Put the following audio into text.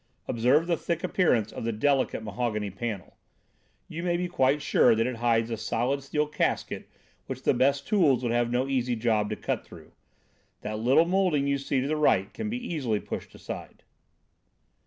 Observe the thick appearance of the delicate mahogany panel. You may be quite sure that it hides a solid steel casket which the best tools would have no easy job to cut through. That little moulding you see to the right can be easily pushed aside."